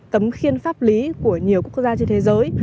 tấm khiên pháp lý của nhiều quốc gia trên thế giới